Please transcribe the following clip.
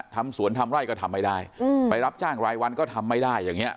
ทำสวนทำไร่ก็ทำไม่ได้ไปรับจ้างรายวันก็ทำไม่ได้อย่างเงี้